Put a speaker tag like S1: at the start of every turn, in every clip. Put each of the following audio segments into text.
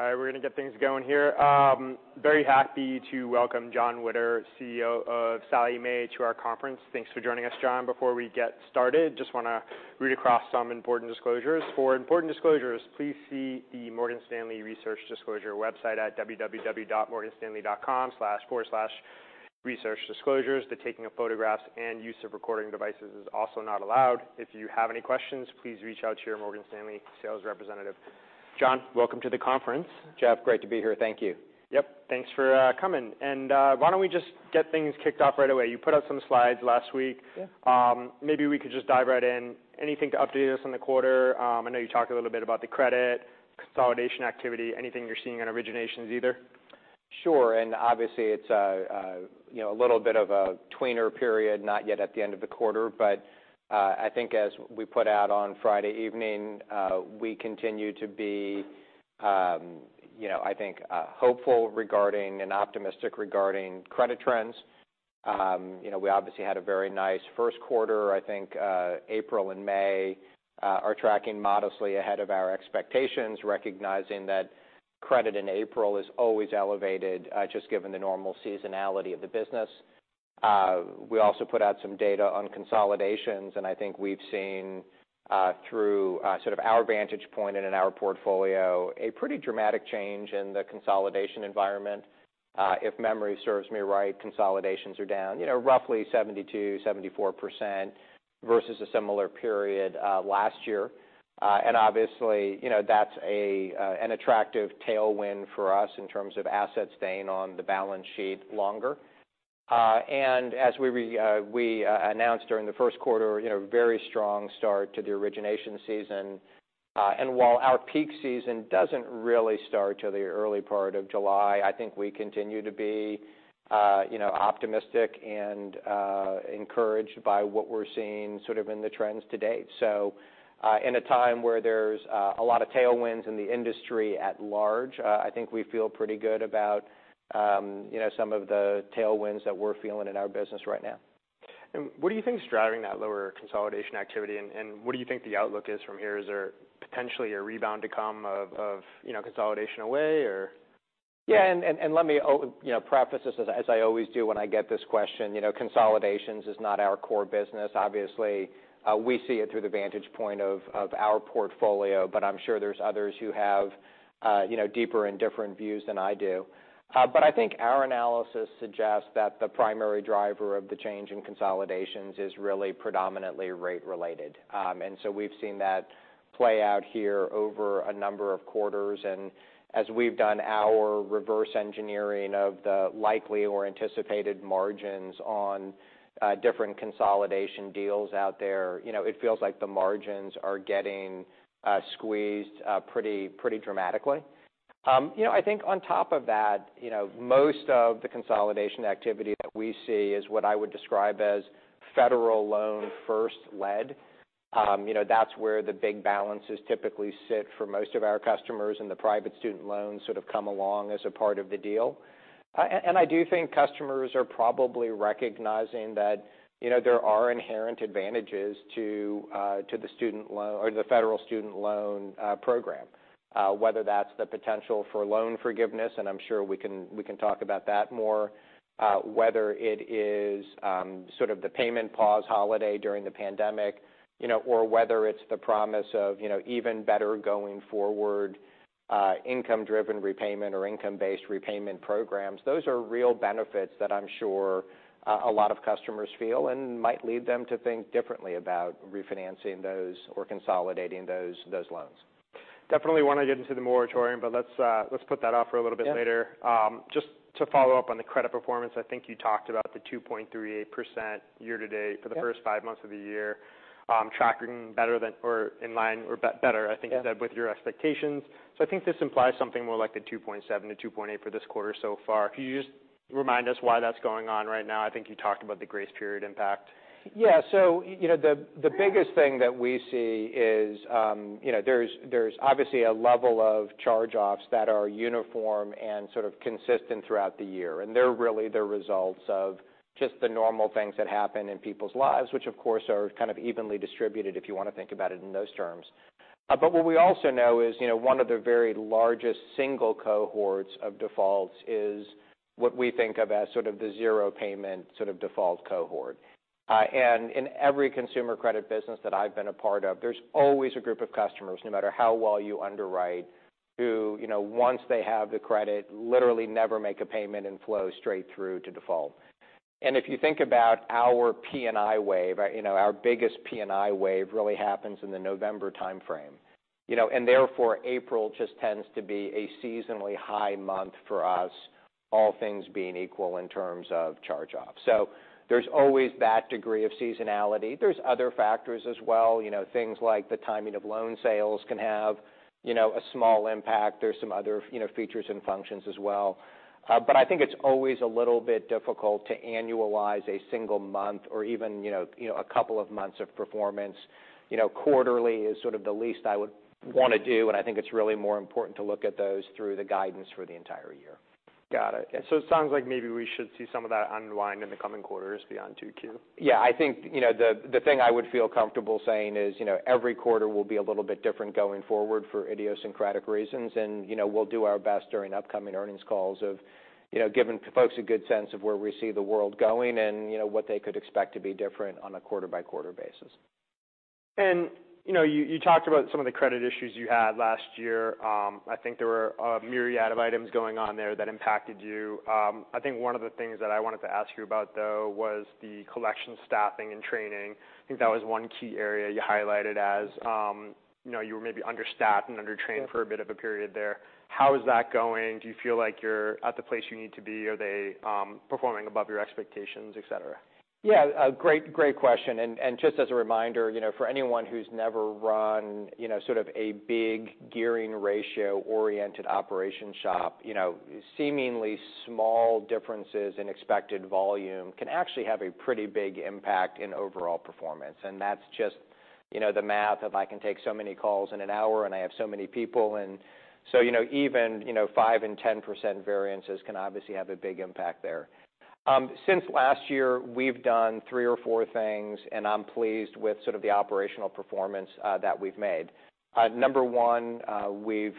S1: All right, we're gonna get things going here. Very happy to welcome Jon Witter, CEO of Sallie Mae, to our conference. Thanks for joining us, Jon. Before we get started, just wanna read across some important disclosure. For important disclosures, please see the Morgan Stanley Research Disclosure website at www.morganstanley.com/researchdisclosures. The taking of photographs and use of recording devices is also not allowed. If you have any questions, please reach out to your Morgan Stanley sales representative. Jon, welcome to the conference.
S2: Jeff, great to be here. Thank you.
S1: Yep, thanks for coming. Why don't we just get things kicked off right away? You put out some slides last week.
S2: Yeah.
S1: Maybe we could just dive right in. Anything to update us on the quarter? I know you talked a little bit about the credit consolidation activity. Anything you're seeing on originations either?
S2: Sure. Obviously, it's a, you know, a little bit of a tweener period, not yet at the end of the quarter. I think as we put out on Friday evening, we continue to be, you know, I think, hopeful regarding and optimistic regarding credit trends. You know, we obviously had a very nice first quarter. I think, April and May are tracking modestly ahead of our expectations, recognizing that credit in April is always elevated, just given the normal seasonality of the business. We also put out some data on consolidations, and I think we've seen, through, sort of our vantage point and in our portfolio, a pretty dramatic change in the consolidation environment. If memory serves me right, consolidations are down, you know, roughly 72%, 74% versus a similar period last year. Obviously, you know, that's an attractive tailwind for us in terms of assets staying on the balance sheet longer. As we announced during the first quarter, you know, very strong start to the origination season. While our peak season doesn't really start till the early part of July, I think we continue to be, you know, optimistic and encouraged by what we're seeing sort of in the trends to date. In a time where there's a lot of tailwinds in the industry at large, I think we feel pretty good about, you know, some of the tailwinds that we're feeling in our business right now.
S1: What do you think is driving that lower consolidation activity? What do you think the outlook is from here? Is there potentially a rebound to come of, you know, consolidation away or?
S2: Let me, you know, preface this as I always do when I get this question. You know, consolidations is not our core business. Obviously, we see it through the vantage point of our portfolio, but I'm sure there's others who have, you know, deeper and different views than I do. I think our analysis suggests that the primary driver of the change in consolidations is really predominantly rate related. We've seen that play out here over a number of quarters. As we've done our reverse engineering of the likely or anticipated margins on different consolidation deals out there, you know, it feels like the margins are getting squeezed pretty dramatically. you know, I think on top of that, you know, most of the consolidation activity that we see is what I would describe as Federal loan first lead. you know, that's where the big balances typically sit for most of our customers, and the private student loans sort of come along as a part of the deal. I do think customers are probably recognizing that, you know, there are inherent advantages to the Federal Student Loan program. whether that's the potential for loan forgiveness, and I'm sure we can, we can talk about that more. whether it is, sort of the payment pause holiday during the pandemic, you know, or whether it's the promise of, you know, even better going forward, income-driven repayment or income-based repayment programs. Those are real benefits that I'm sure, a lot of customers feel and might lead them to think differently about refinancing those or consolidating those loans.
S1: Definitely wanna get into the Moratorium, but let's put that off for a little bit later.
S2: Yeah.
S1: Just to follow up on the credit performance, I think you talked about the 2.38% year-to-date.
S2: Yeah
S1: For the first five months of the year, tracking better than, or in line, or better, I think.
S2: Yeah
S1: You said, with your expectations. I think this implies something more like the 2.7, 2.8 for this quarter so far. Can you just remind us why that's going on right now? I think you talked about the grace period impact.
S2: Yeah. You know, the biggest thing that we see is, you know, there's obviously a level of charge-offs that are uniform and sort of consistent throughout the year, and they're really the results of just the normal things that happen in people's lives, which of course are kind of evenly distributed, if you wanna think about it in those terms. What we also know is, you know, one of the very largest single cohorts of defaults is what we think of as sort of the zero payment, sort of default cohort. In every consumer credit business that I've been a part of, there's always a group of customers, no matter how well you underwrite, who, you know, once they have the credit, literally never make a payment and flow straight through to default. If you think about our P&I wave, you know, our biggest P&I wave really happens in the November timeframe. You know, therefore, April just tends to be a seasonally high month for us, all things being equal in terms of charge-offs. There's always that degree of seasonality. There's other factors as well. You know, things like the timing of loan sales can have, you know, a small impact. There's some other, you know, features and functions as well. I think it's always a little bit difficult to annualize a single month or even, you know, a couple of months of performance. You know, quarterly is sort of the least I would wanna do, and I think it's really more important to look at those through the guidance for the entire year.
S1: Got it. It sounds like maybe we should see some of that unwind in the coming quarters beyond 2Q?
S2: Yeah, I think, you know, the thing I would feel comfortable saying is, you know, every quarter will be a little bit different going forward for idiosyncratic reasons. You know, we'll do our best during upcoming earnings calls of, you know, giving folks a good sense of where we see the world going and, you know, what they could expect to be different on a quarter-by-quarter basis.
S1: You know, you talked about some of the credit issues you had last year. I think there were a myriad of items going on there that impacted you. I think one of the things that I wanted to ask you about, though, was the collection staffing and training. I think that was one key area you highlighted as, you know, you were maybe understaffed and undertrained for a bit of a period there. How is that going? Do you feel like you're at the place you need to be? Are they performing above your expectations, et cetera?
S2: Yeah, a great question. Just as a reminder, you know, for anyone who's never run, you know, sort of a big gearing ratio-oriented operation shop, you know, seemingly small differences in expected volume can actually have a pretty big impact in overall performance. That's just, you know, the math of, I can take so many calls in an hour, and I have so many people. You know, even, you know, 5% and 10% variances can obviously have a big impact there. Since last year, we've done three or four things, and I'm pleased with sort of the operational performance that we've made. Number one, we've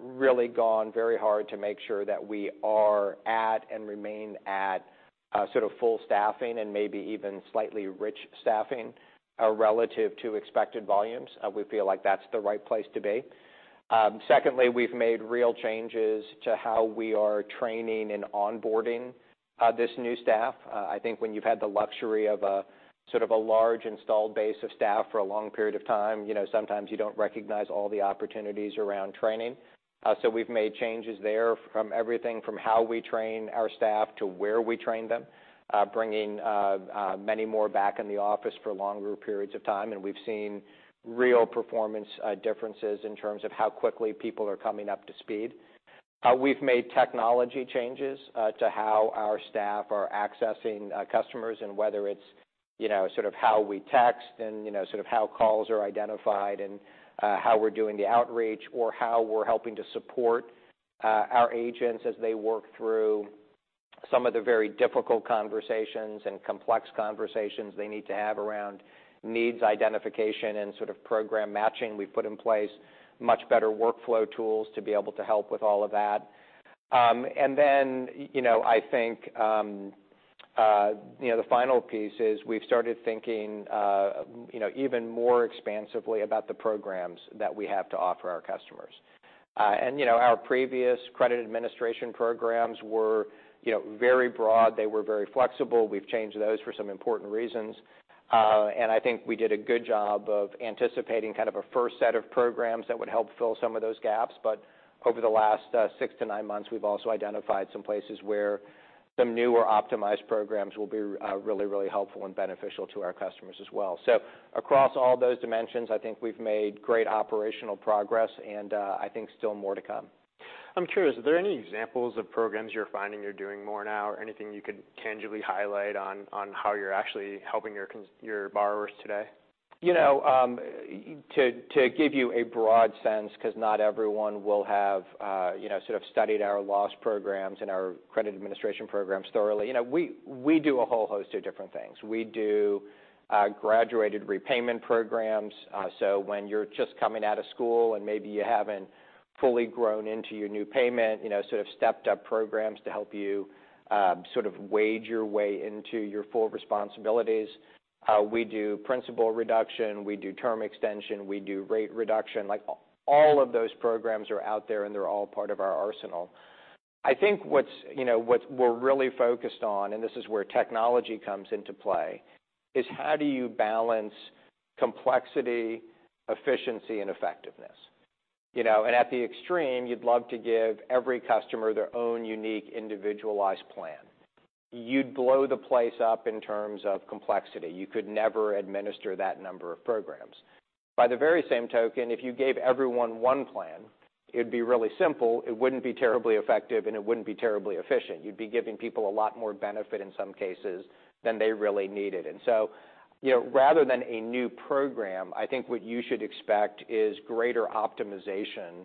S2: really gone very hard to make sure that we are at and remain at sort of full staffing and maybe even slightly rich staffing relative to expected volumes. We feel like that's the right place to be. Secondly, we've made real changes to how we are training and onboarding, this new staff. I think when you've had the luxury of sort of a large installed base of staff for a long period of time, you know, sometimes you don't recognize all the opportunities around training. So we've made changes there, from everything from how we train our staff to where we train them, bringing many more back in the office for longer periods of time. We've seen real performance, differences in terms of how quickly people are coming up to speed. We've made technology changes to how our staff are accessing customers, and whether it's, you know, sort of how we text and, you know, sort of how calls are identified and how we're doing the outreach or how we're helping to support our agents as they work through some of the very difficult conversations and complex conversations they need to have around needs identification and sort of program matching. We've put in place much better workflow tools to be able to help with all of that. You know, I think, you know, the final piece is we've started thinking, you know, even more expansively about the programs that we have to offer our customers. You know, our previous credit administration programs were, you know, very broad. They were very flexible. We've changed those for some important reasons. I think we did a good job of anticipating kind of a first set of programs that would help fill some of those gaps. Over the last, six to nine months, we've also identified some places where some new or optimized programs will be, really, really helpful and beneficial to our customers as well. Across all those dimensions, I think we've made great operational progress, I think still more to come.
S1: I'm curious, are there any examples of programs you're finding you're doing more now, or anything you could tangibly highlight on how you're actually helping your borrowers today?
S2: You know, to give you a broad sense, 'cause not everyone will have, you know, sort of studied our loss programs and our credit administration programs thoroughly. You know, we do a whole host of different things. We do graduated repayment programs. When you're just coming out of school, and maybe you haven't fully grown into your new payment, you know, sort of stepped-up programs to help you sort of wade your way into your full responsibilities. We do principal reduction, we do term extension, we do rate reduction. Like, all of those programs are out there, and they're all part of our arsenal. I think, you know, what we're really focused on, and this is where technology comes into play, is how do you balance complexity, efficiency, and effectiveness? You know, at the extreme, you'd love to give every customer their own unique, individualized plan. You'd blow the place up in terms of complexity. You could never administer that number of programs. By the very same token, if you gave everyone one plan, it'd be really simple, it wouldn't be terribly effective, and it wouldn't be terribly efficient. You'd be giving people a lot more benefit in some cases than they really needed. You know, rather than a new program, I think what you should expect is greater optimization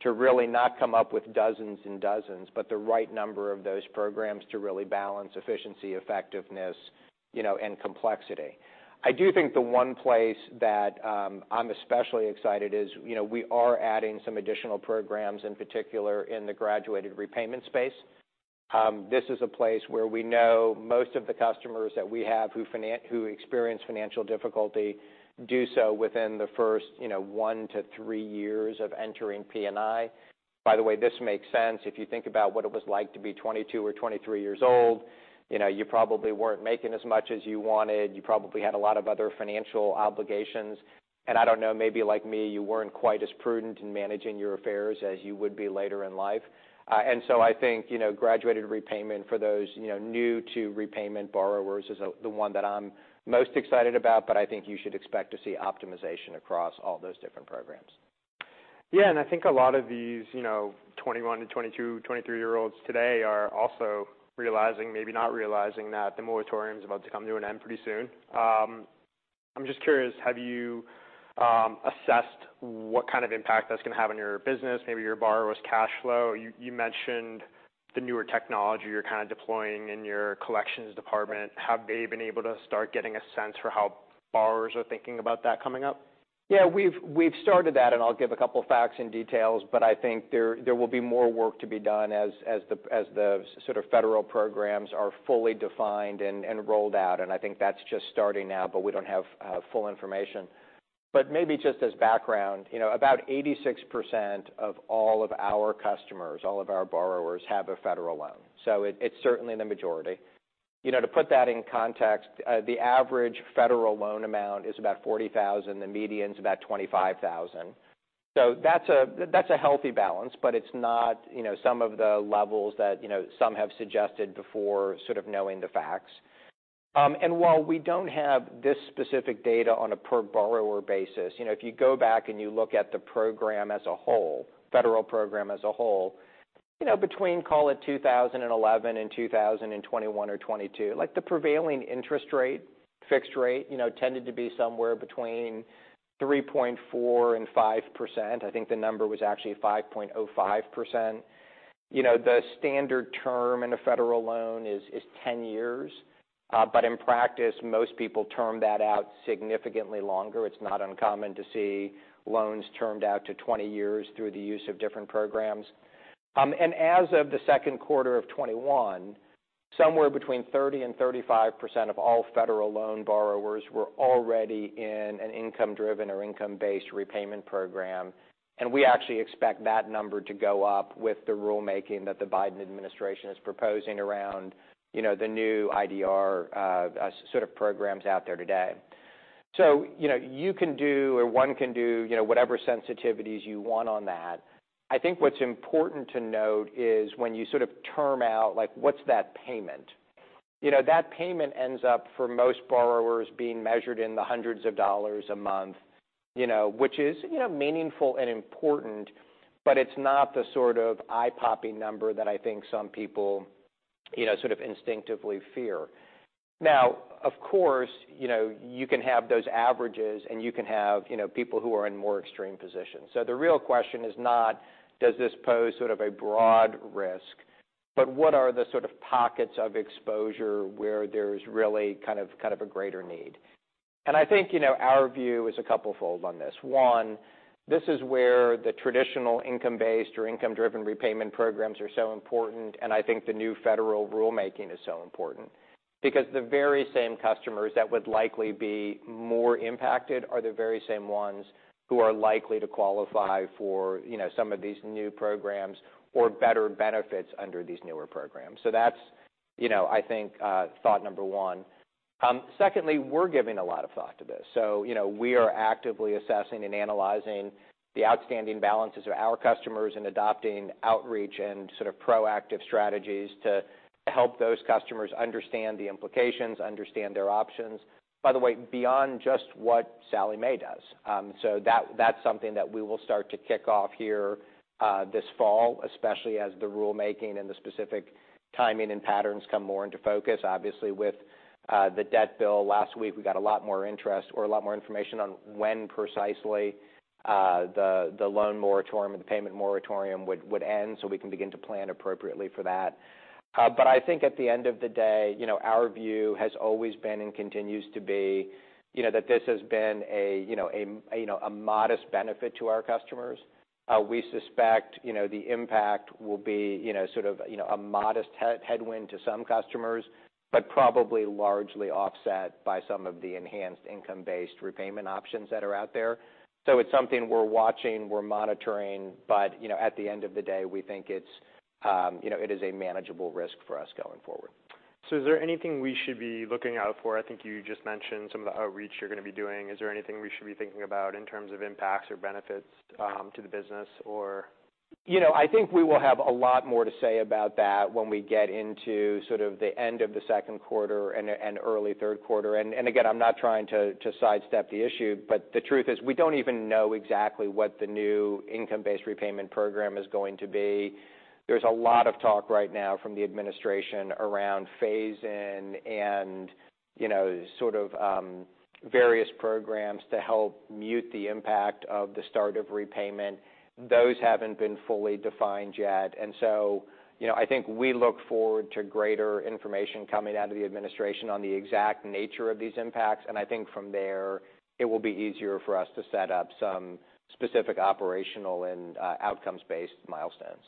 S2: to really not come up with dozens and dozens, but the right number of those programs to really balance efficiency, effectiveness, you know, and complexity. I do think the one place that I'm especially excited is, you know, we are adding some additional programs, in particular, in the graduated repayment space. This is a place where we know most of the customers that we have who experience financial difficulty do so within the first, you know, one to three years of entering P&I. By the way, this makes sense. If you think about what it was like to be 22 or 23 years old, you know, you probably weren't making as much as you wanted. You probably had a lot of other financial obligations. I don't know, maybe like me, you weren't quite as prudent in managing your affairs as you would be later in life. I think, you know, graduated repayment for those, you know, new to repayment borrowers is the one that I'm most excited about, but I think you should expect to see optimization across all those different programs.
S1: Yeah, I think a lot of these, you know, 21 to 22, 23-year-olds today are also realizing, maybe not realizing, that the moratorium is about to come to an end pretty soon. I'm just curious, have you assessed what kind of impact that's gonna have on your business, maybe your borrower's cash flow? You mentioned the newer technology you're kind of deploying in your collections department. Have they been able to start getting a sense for how borrowers are thinking about that coming up?
S2: Yeah, we've started that, I'll give a couple facts and details, but I think there will be more work to be done as the sort of Federal programs are fully defined and rolled out. I think that's just starting now, but we don't have full information. Maybe just as background, you know, about 86% of all of our customers, all of our borrowers, have a Federal loan, so it's certainly the majority. You know, to put that in context, the average Federal loan amount is about $40,000, the median is about $25,000. That's a healthy balance, but it's not, you know, some of the levels that, you know, some have suggested before, sort of knowing the facts. While we don't have this specific data on a per borrower basis, you know, if you go back and you look at the program as a whole, federal program as a whole, you know, between, call it 2011 and 2021 or 2022, like, the prevailing interest rate, fixed rate, you know, tended to be somewhere between 3.4% and 5%. I think the number was actually 5.05%. You know, the standard term in a federal loan is 10 years, but in practice, most people term that out significantly longer. It's not uncommon to see loans termed out to 20 years through the use of different programs. As of the second quarter of 2021, somewhere between 30%-35% of all federal loan borrowers were already in an income-driven or income-based repayment program. We actually expect that number to go up with the rulemaking that the Biden administration is proposing around, you know, the new IDR sort of programs out there today. You know, you can do, or one can do, you know, whatever sensitivities you want on that. I think what's important to note is when you sort of term out, like, what's that payment? You know, that payment ends up, for most borrowers, being measured in the hundreds of dollars a month, you know, which is, you know, meaningful and important, but it's not the sort of eye-popping number that I think some people, you know, sort of instinctively fear. Now, of course, you know, you can have those averages, and you can have, you know, people who are in more extreme positions. The real question is not, does this pose sort of a broad risk? What are the sort of pockets of exposure where there's really a greater need? I think, you know, our view is a couplefold on this. One, this is where the traditional income-based or income-driven repayment programs are so important, and I think the new federal rulemaking is so important. Because the very same customers that would likely be more impacted are the very same ones who are likely to qualify for, you know, some of these new programs or better benefits under these newer programs. That's, you know, I think, thought number one. Secondly, we're giving a lot of thought to this. You know, we are actively assessing and analyzing the outstanding balances of our customers and adopting outreach and sort of proactive strategies to help those customers understand the implications, understand their options. By the way, beyond just what Sallie Mae does. That's something that we will start to kick off here, this fall, especially as the rulemaking and the specific timing and patterns come more into focus. Obviously, with the debt bill last week, we got a lot more interest or a lot more information on when precisely the loan moratorium and the payment moratorium would end, so we can begin to plan appropriately for that. I think at the end of the day, you know, our view has always been and continues to be, you know, that this has been a, you know, a, you know, a modest benefit to our customers. We suspect, you know, the impact will be, you know, sort of, you know, a modest headwind to some customers, but probably largely offset by some of the enhanced Income-Based Repayment options that are out there. It's something we're watching, we're monitoring, but, you know, at the end of the day, we think it's, you know, it is a manageable risk for us going forward.
S1: Is there anything we should be looking out for? I think you just mentioned some of the outreach you're gonna be doing. Is there anything we should be thinking about in terms of impacts or benefits to the business, or?
S2: You know, I think we will have a lot more to say about that when we get into sort of the end of the second quarter and early third quarter. Again, I'm not trying to sidestep the issue, but the truth is, we don't even know exactly what the new income-based repayment program is going to be. There's a lot of talk right now from the administration around phase-in and, you know, sort of, various programs to help mute the impact of the start of repayment. Those haven't been fully defined yet. You know, I think we look forward to greater information coming out of the administration on the exact nature of these impacts, and I think from there, it will be easier for us to set up some specific operational and outcomes-based milestones.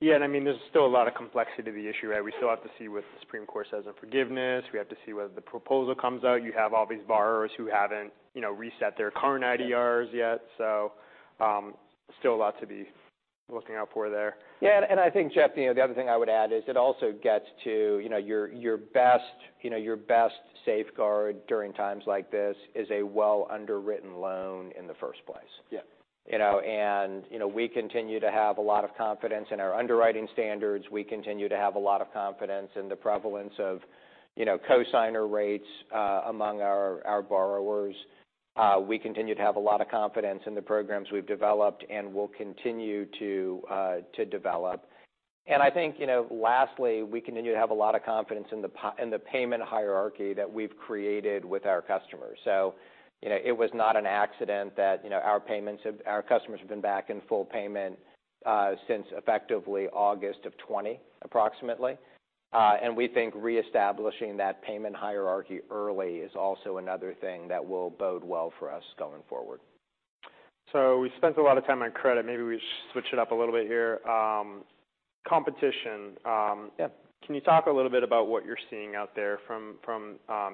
S1: Yeah, I mean, there's still a lot of complexity to the issue, right? We still have to see what the Supreme Court says on forgiveness. We have to see whether the proposal comes out. You have all these borrowers who haven't, you know, reset their current IDRs yet, so, still a lot to be looking out for there.
S2: Yeah, I think, Jeff, you know, the other thing I would add is it also gets to, you know, your best, you know, your best safeguard during times like this is a well underwritten loan in the first place.
S1: Yeah.
S2: You know, you know, we continue to have a lot of confidence in our underwriting standards. We continue to have a lot of confidence in the prevalence of, you know, cosigner rates, among our borrowers. We continue to have a lot of confidence in the programs we've developed and will continue to develop. I think, you know, lastly, we continue to have a lot of confidence in the payment hierarchy that we've created with our customers. You know, it was not an accident that, you know, our payments, our customers have been back in full payment, since effectively August of 2020, approximately. We think reestablishing that payment hierarchy early is also another thing that will bode well for us going forward.
S1: We spent a lot of time on credit. Maybe we switch it up a little bit here, competition.
S2: Yeah.
S1: Can you talk a little bit about what you're seeing out there from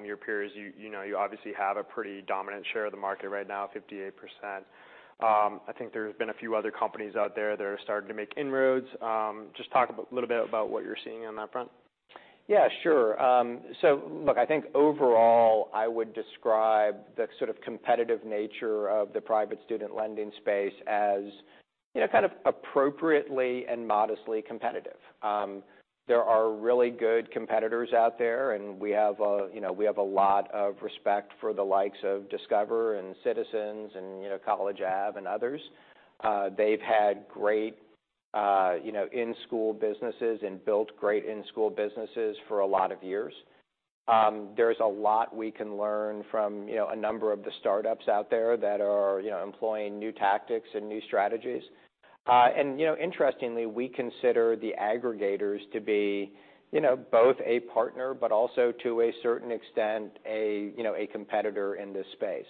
S1: your peers? You know, you obviously have a pretty dominant share of the market right now, 58%. I think there's been a few other companies out there that are starting to make inroads. Just talk a little bit about what you're seeing on that front.
S2: Yeah, sure. Look, I think overall, I would describe the sort of competitive nature of the private student lending space as, you know, kind of appropriately and modestly competitive. There are really good competitors out there, and we have, you know, we have a lot of respect for the likes of Discover and Citizens and, you know, College Ave and others. They've had great, you know, in-school businesses and built great in-school businesses for a lot of years. There's a lot we can learn from, you know, a number of the startups out there that are, you know, employing new tactics and new strategies. You know, interestingly, we consider the aggregators to be, you know, both a partner, but also to a certain extent, a, you know, a competitor in this space.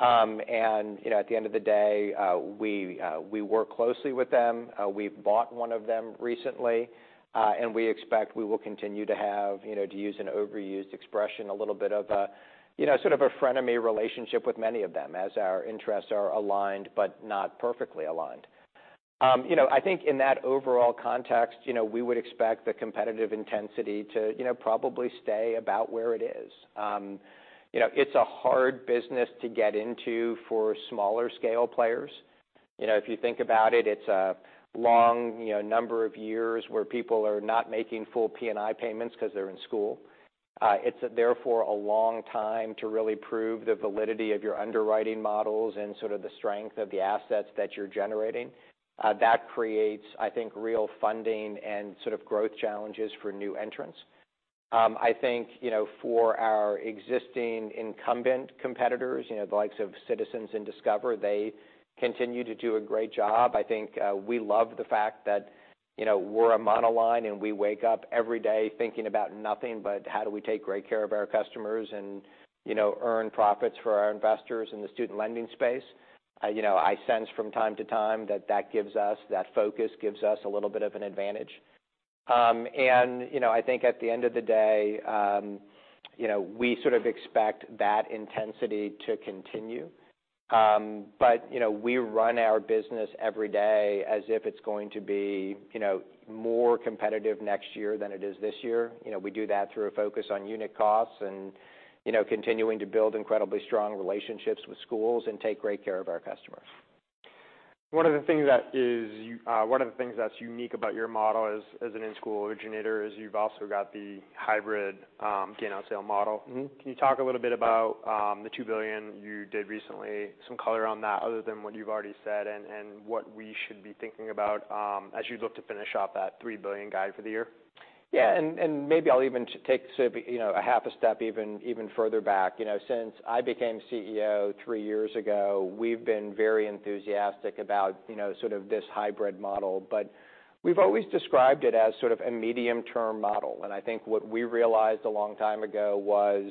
S2: You know, at the end of the day, we work closely with them. We've bought one of them recently, and we expect we will continue to have, you know, to use an overused expression, a little bit of a, you know, sort of a frenemy relationship with many of them as our interests are aligned, but not perfectly aligned. You know, I think in that overall context, you know, we would expect the competitive intensity to, you know, probably stay about where it is. You know, it's a hard business to get into for smaller scale players. You know, if you think about it's a long, you know, number of years where people are not making full P&I payments 'cause they're in school. It's therefore, a long time to really prove the validity of your underwriting models and sort of the strength of the assets that you're generating. That creates, I think, real funding and sort of growth challenges for new entrants. I think, you know, for our existing incumbent competitors, you know, the likes of Citizens and Discover, they continue to do a great job. I think, we love the fact that, you know, we're a monoline, and we wake up every day thinking about nothing but how do we take great care of our customers and, you know, earn profits for our investors in the student lending space. You know, I sense from time to time that that gives us, that focus gives us a little bit of an advantage. You know, I think at the end of the day, you know, we sort of expect that intensity to continue. You know, we run our business every day as if it's going to be, you know, more competitive next year than it is this year. You know, we do that through a focus on unit costs and, you know, continuing to build incredibly strong relationships with schools and take great care of our customers.
S1: One of the things that's unique about your model as an in-school originator, is you've also got the hybrid gain-on-sale model.
S2: Mm-hmm.
S1: Can you talk a little bit about the $2 billion you did recently, some color on that, other than what you've already said, and what we should be thinking about as you look to finish up that $3 billion guide for the year?
S2: Yeah, maybe I'll even take, sort of, you know, a half a step, even further back. You know, since I became CEO three years ago, we've been very enthusiastic about, you know, sort of this hybrid model, but we've always described it as sort of a medium-term model. I think what we realized a long time ago was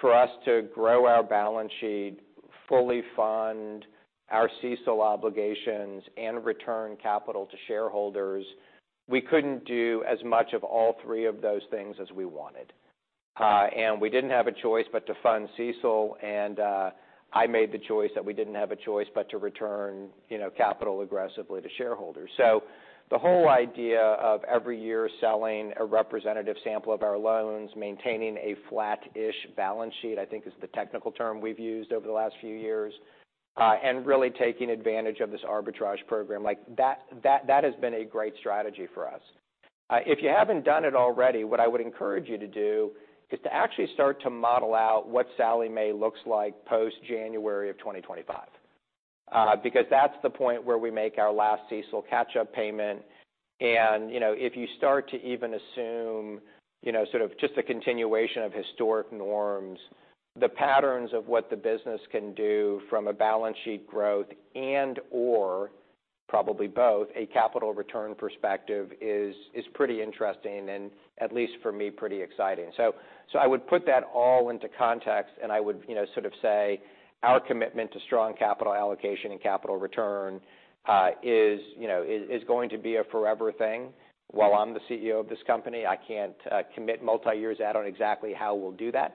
S2: for us to grow our balance sheet, fully fund our CECL obligations, and return capital to shareholders, we couldn't do as much of all three of those things as we wanted. We didn't have a choice but to fund CECL, and I made the choice that we didn't have a choice but to return, you know, capital aggressively to shareholders. The whole idea of every year selling a representative sample of our loans, maintaining a flat-ish balance sheet, I think is the technical term we've used over the last few years, and really taking advantage of this arbitrage program, like, that has been a great strategy for us. If you haven't done it already, what I would encourage you to do is to actually start to model out what Sallie Mae looks like post January of 2025. Because that's the point where we make our last CECL catch-up payment. You know, if you start to even assume, you know, sort of just the continuation of historic norms, the patterns of what the business can do from a balance sheet growth and/or probably both, a capital return perspective is pretty interesting, and at least for me, pretty exciting. I would put that all into context, and I would, you know, sort of say our commitment to strong capital allocation and capital return is, you know, going to be a forever thing while I'm the CEO of this company. I can't commit multi-years out on exactly how we'll do that.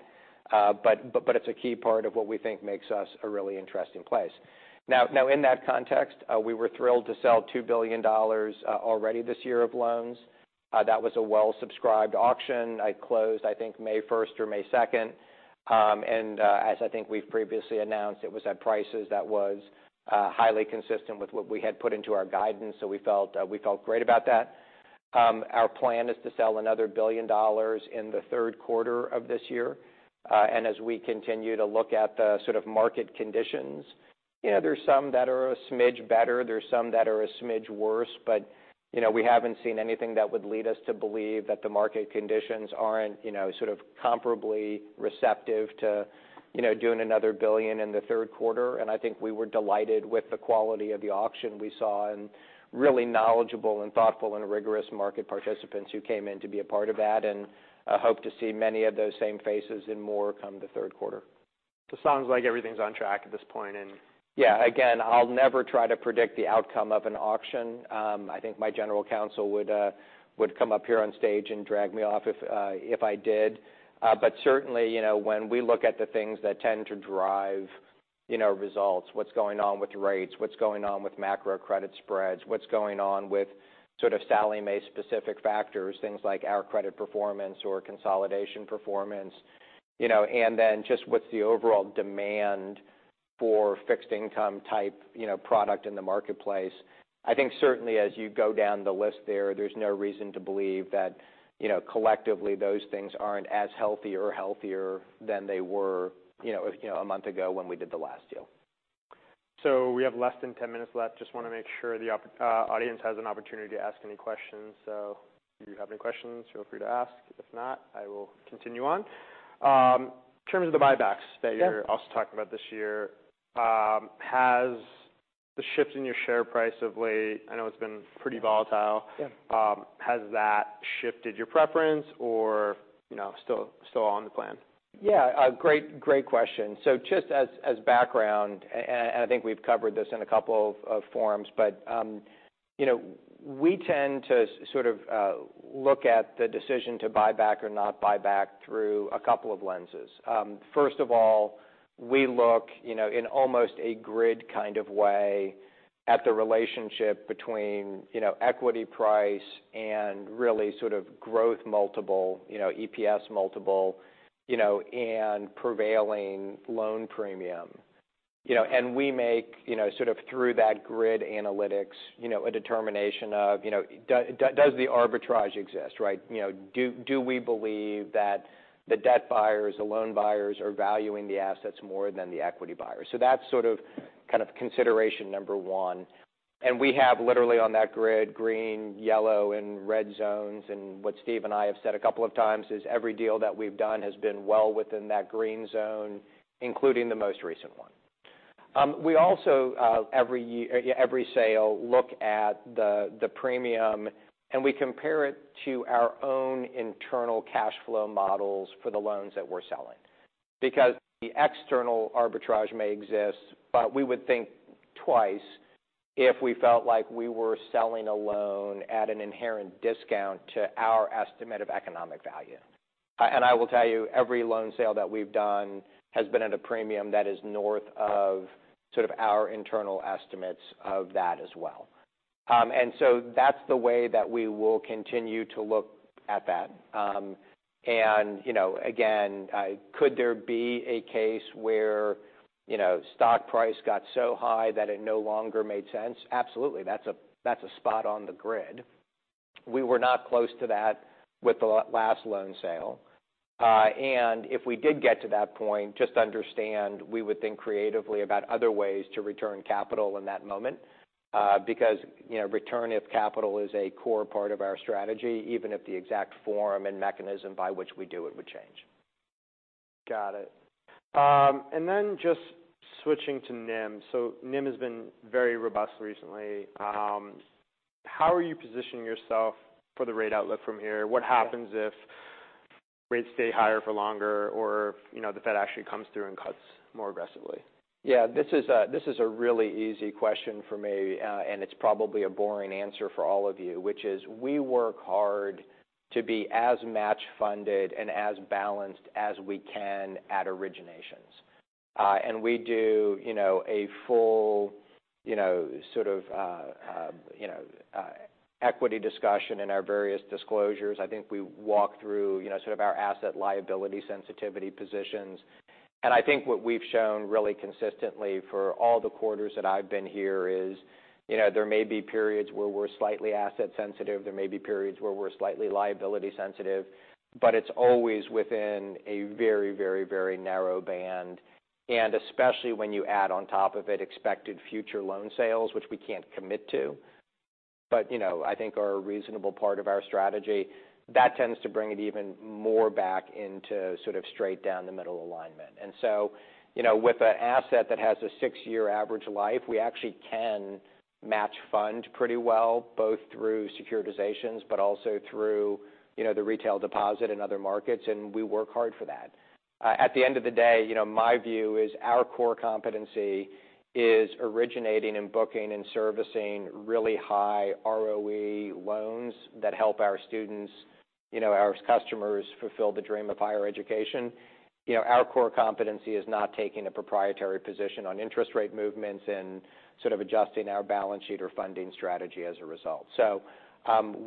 S2: It's a key part of what we think makes us a really interesting place. In that context, we were thrilled to sell $2 billion already this year of loans. That was a well-subscribed auction. I closed, I think, May 1st or May 2nd. As I think we've previously announced, it was at prices that was highly consistent with what we had put into our guidance, we felt great about that. Our plan is to sell another $1 billion in the third quarter of this year. As we continue to look at the sort of market conditions, you know, there's some that are a smidge better, there's some that are a smidge worse. You know, we haven't seen anything that would lead us to believe that the market conditions aren't, you know, sort of comparably receptive to, you know, doing another $1 billion in the third quarter. I think we were delighted with the quality of the auction we saw, and really knowledgeable, and thoughtful, and rigorous market participants who came in to be a part of that. I hope to see many of those same faces and more come the third quarter.
S1: Sounds like everything's on track at this point in.
S2: Yeah. Again, I'll never try to predict the outcome of an auction. I think my general counsel would come up here on stage and drag me off if I did. Certainly, you know, when we look at the things that tend to drive, you know, results, what's going on with rates, what's going on with macro credit spreads, what's going on with sort of Sallie Mae specific factors, things like our credit performance or consolidation performance, you know, and then just what's the overall demand for fixed income type, you know, product in the marketplace. I think certainly as you go down the list there's no reason to believe that, you know, collectively, those things aren't as healthy or healthier than they were, you know, a month ago when we did the last deal.
S1: We have less than 10 minutes left. Just want to make sure the audience has an opportunity to ask any questions. If you have any questions, feel free to ask. If not, I will continue on. In terms of the buybacks.
S2: Yeah
S1: That you're also talking about this year, has the shift in your share price of late, I know it's been pretty volatile.
S2: Yeah.
S1: Has that shifted your preference or, you know, still on the plan?
S2: Yeah. A great question. Just as background, and I think we've covered this in a couple of forums, but, you know, we tend to sort of look at the decision to buy back or not buy back through a couple of lenses. First of all, we look, you know, in almost a grid kind of way at the relationship between, you know, equity price and really sort of growth multiple, you know, EPS multiple, you know, and prevailing loan premium. We make, you know, sort of through that grid analytics, you know, a determination of, you know, does the arbitrage exist, right? Do we believe that the debt buyers, the loan buyers, are valuing the assets more than the equity buyers? That's sort of kind of consideration number one. We have literally on that grid, green, yellow, and red zones. What Steve and I have said a couple of times is every deal that we've done has been well within that green zone, including the most recent one. We also, every sale, look at the premium, and we compare it to our own internal cash flow models for the loans that we're selling. Because the external arbitrage may exist, but we would think twice if we felt like we were selling a loan at an inherent discount to our estimate of economic value. I will tell you, every loan sale that we've done has been at a premium that is north of sort of our internal estimates of that as well. That's the way that we will continue to look at that. You know, again, could there be a case where, you know, stock price got so high that it no longer made sense? Absolutely. That's a, that's a spot on the grid. We were not close to that with the last loan sale. If we did get to that point, just understand, we would think creatively about other ways to return capital in that moment. You know, return of capital is a core part of our strategy, even if the exact form and mechanism by which we do it would change.
S1: Got it. Just switching to NIM. NIM has been very robust recently. How are you positioning yourself for the rate outlook from here?
S2: Yeah.
S1: What happens if rates stay higher for longer, or, you know, the Fed actually comes through and cuts more aggressively?
S2: Yeah, this is a really easy question for me, and it's probably a boring answer for all of you, which is we work hard to be as match funded and as balanced as we can at originations. We do, you know, a full, you know, sort of, you know, equity discussion in our various disclosures. I think we walk through, you know, sort of our asset liability sensitivity positions. I think what we've shown really consistently for all the quarters that I've been here is, you know, there may be periods where we're slightly asset sensitive, there may be periods where we're slightly liability sensitive, but it's always within a very, very, very narrow band. Especially when you add on top of it expected future loan sales, which we can't commit to, but, you know, I think are a reasonable part of our strategy, that tends to bring it even more back into sort of straight down the middle alignment. You know, with an asset that has a six-year average life, we actually can match fund pretty well, both through securitizations, but also through, you know, the retail deposit in other markets, and we work hard for that. At the end of the day, you know, my view is our core competency is originating, and booking, and servicing really high ROE loans that help our students, you know, our customers fulfill the dream of higher education. You know, our core competency is not taking a proprietary position on interest rate movements and sort of adjusting our balance sheet or funding strategy as a result.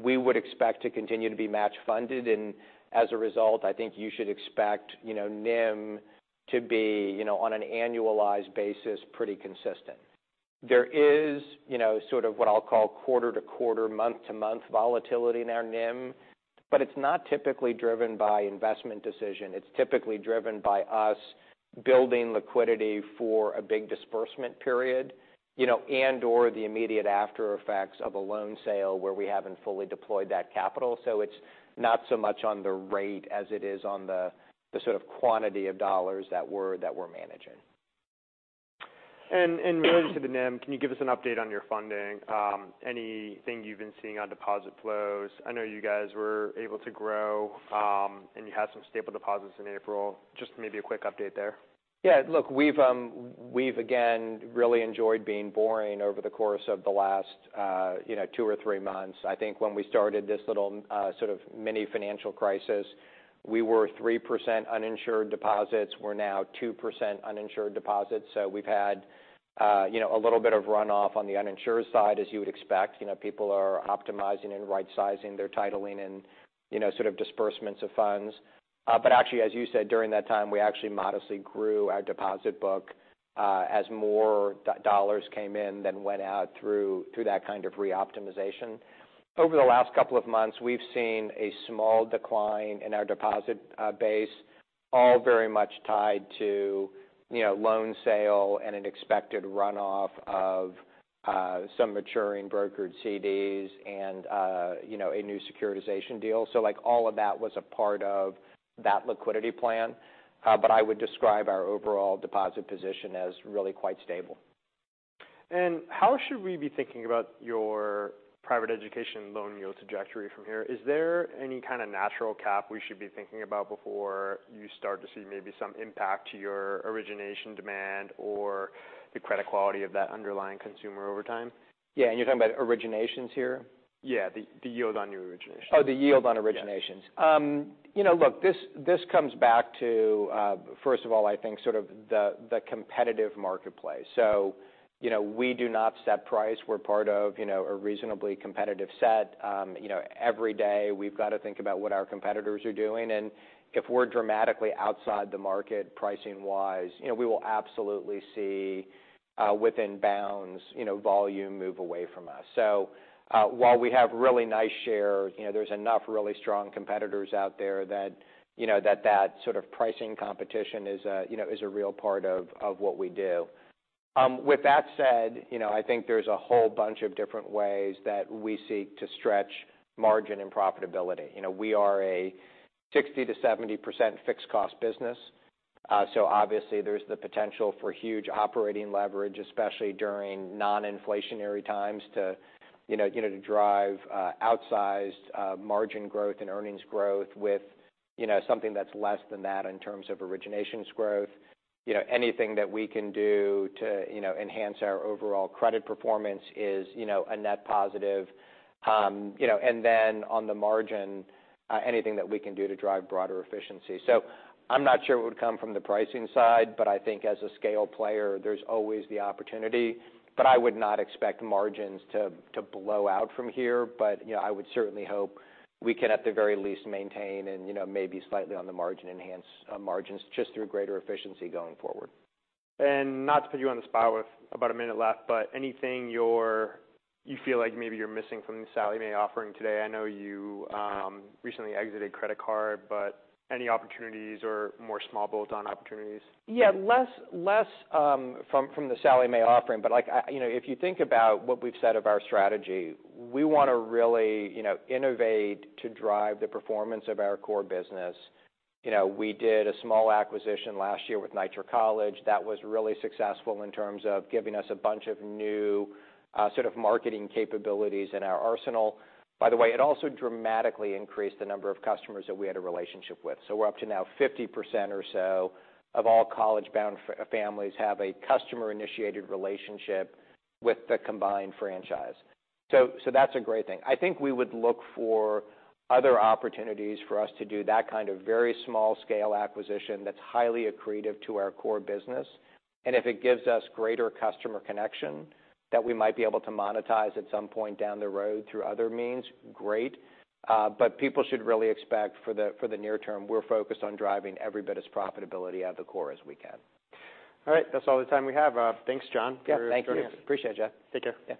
S2: We would expect to continue to be match funded, and as a result, I think you should expect, you know, NIM to be, you know, on an annualized basis, pretty consistent. There is, you know, sort of what I'll call quarter-to-quarter, month-to-month volatility in our NIM, but it's not typically driven by investment decision. It's typically driven by us building liquidity for a big disbursement period, you know, and/or the immediate after-effects of a loan sale where we haven't fully deployed that capital. It's not so much on the rate as it is on the sort of quantity of dollars that we're managing.
S1: Related to the NIM, can you give us an update on your funding? Anything you've been seeing on deposit flows. I know you guys were able to grow, and you had some stable deposits in April. Just maybe a quick update there.
S2: Yeah, look, we've again, really enjoyed being boring over the course of the last, you know, two or three months. I think when we started this little, sort of mini financial crisis, we were 3% uninsured deposits. We're now 2% uninsured deposits. We've had, you know, a little bit of runoff on the uninsured side, as you would expect. You know, people are optimizing and rightsizing their titling and, you know, sort of disbursements of funds. Actually, as you said, during that time, we actually modestly grew our deposit book, as more dollars came in than went out through that kind of reoptimization. Over the last couple of months, we've seen a small decline in our deposit, base, all very much tied to, you know, loan sale and an expected runoff of, some maturing brokered CDs and, you know, a new securitization deal. Like, all of that was a part of that liquidity plan. I would describe our overall deposit position as really quite stable.
S1: How should we be thinking about your private education loan yield trajectory from here? Is there any kind of natural cap we should be thinking about before you start to see maybe some impact to your origination demand or the credit quality of that underlying consumer over time?
S2: Yeah, you're talking about originations here?
S1: Yeah, the yield on your origination.
S2: Oh, the yield on originations.
S1: Yeah.
S2: You know, look, this comes back to first of all, I think sort of the competitive marketplace. You know, we do not set price. We're part of, you know, a reasonably competitive set. You know, every day we've got to think about what our competitors are doing, and if we're dramatically outside the market, pricing-wise, you know, we will absolutely see within bounds, you know, volume move away from us. While we have really nice share, you know, there's enough really strong competitors out there that, you know, that sort of pricing competition is a, you know, is a real part of what we do. With that said, you know, I think there's a whole bunch of different ways that we seek to stretch margin and profitability. You know, we are a 60%-70% fixed cost business. Obviously there's the potential for huge operating leverage, especially during non-inflationary times, to, you know, to drive outsized margin growth and earnings growth with, you know, something that's less than that in terms of originations growth. You know, anything that we can do to, you know, enhance our overall credit performance is, you know, a net positive. You know, and then on the margin, anything that we can do to drive broader efficiency. I'm not sure it would come from the pricing side, but I think as a scale player, there's always the opportunity, but I would not expect margins to blow out from here. You know, I would certainly hope we can, at the very least, maintain and, you know, maybe slightly on the margin, enhance, margins just through greater efficiency going forward.
S1: Not to put you on the spot with about a minute left, but anything you feel like maybe you're missing from the Sallie Mae offering today? I know you recently exited credit card, but any opportunities or more small bolt-on opportunities?
S2: Yeah, less from the Sallie Mae offering. Like, I, you know, if you think about what we've said of our strategy, we want to really, you know, innovate to drive the performance of our core business. You know, we did a small acquisition last year with Nitro College. That was really successful in terms of giving us a bunch of new, sort of marketing capabilities in our arsenal. By the way, it also dramatically increased the number of customers that we had a relationship with. We're up to now 50% or so of all college-bound families have a customer-initiated relationship with the combined franchise. That's a great thing. I think we would look for other opportunities for us to do that kind of very small-scale acquisition that's highly accretive to our core business. If it gives us greater customer connection that we might be able to monetize at some point down the road through other means, great. People should really expect for the, for the near term, we're focused on driving every bit of profitability out of the core as we can.
S1: All right, that's all the time we have. Thanks, Jon, for joining us.
S2: Yeah, thank you. Appreciate it, Jeff.
S1: Take care.
S2: Yeah.